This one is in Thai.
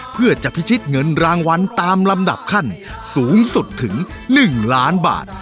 เพื่อจะพิชิตเงินรางวัลตามลำดับขั้นสูงสุดถึง๑ล้านบาท